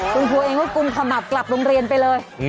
คุณครูเองก็กุมขมับกลับโรงเรียนไปเลย